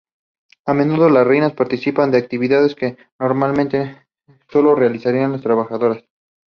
A menudo las reinas participan de actividades que normalmente solo realizan las trabajadoras.